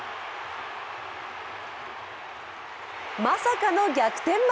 まさかの逆転